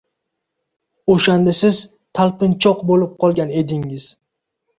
O‘shanda siz talpinchoq bo‘lib qolgan edingiz.